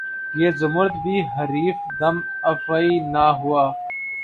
یہ زمرد بھی حریف دم افعی نہ ہوا